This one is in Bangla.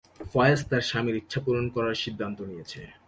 ফয়েজ তার স্বামীর ইচ্ছা পূরণ করার সিদ্ধান্ত নিয়েছে।